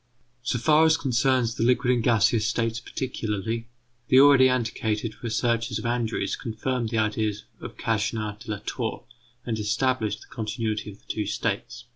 So far as concerns the liquid and gaseous states particularly, the already antiquated researches of Andrews confirmed the ideas of Cagniard de la Tour and established the continuity of the two states.